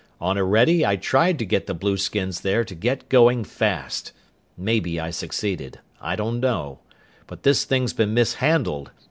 "On Orede I tried to get the blueskins there to get going, fast. Maybe I succeeded. I don't know. But this thing's been mishandled!